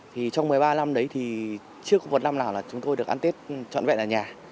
thì trong một mươi ba năm đấy thì trước một năm nào là chúng tôi được ăn tết trọn vẹn ở nhà